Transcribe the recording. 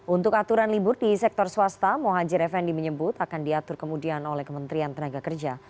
untuk aturan libur di sektor swasta muhajir effendi menyebut akan diatur kemudian oleh kementerian tenaga kerja